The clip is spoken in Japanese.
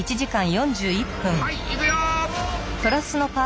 はいいくよ！